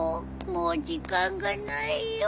もう時間がないよ。